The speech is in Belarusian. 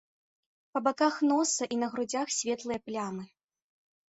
Па баках носа і на грудзях светлыя плямы.